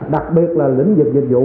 đặc biệt là lĩnh dịch dịch vụ